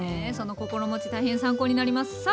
その心持ち大変参考になります。